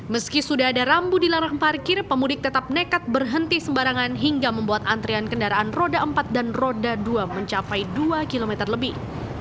meski sudah ada rambu dilarang parkir pemudik tetap nekat berhenti sembarangan hingga membuat antrian kendaraan roda empat dan roda dua mencapai dua kilometer lebih